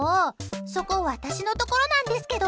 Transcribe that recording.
そこ、私のところなんですけど。